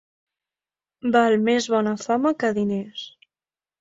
Val més bona fama que diners.